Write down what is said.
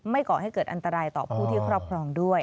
ก่อให้เกิดอันตรายต่อผู้ที่ครอบครองด้วย